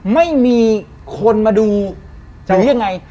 ไม่มีคนมาดูหรือยังไง